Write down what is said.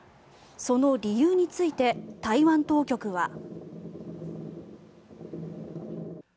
その理由について台湾当局は。